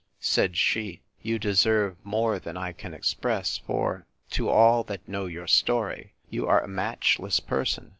—Said she, You deserve more than I can express; for, to all that know your story, you are a matchless person.